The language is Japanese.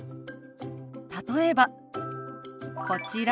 例えばこちら。